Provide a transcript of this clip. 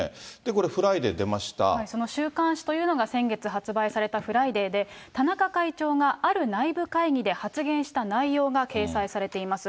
これ、その週刊誌というのが、先月発売されたフライデーで、田中会長がある内部会議で発言した内容が掲載されています。